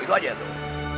itu aja tuh